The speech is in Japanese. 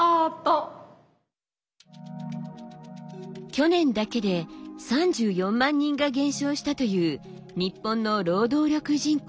去年だけで３４万人が減少したという日本の労働力人口。